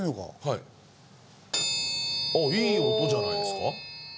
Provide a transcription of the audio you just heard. いい音じゃないですか？